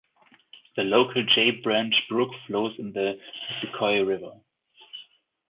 The local Jay Branch Brook flows into the Missisquoi River.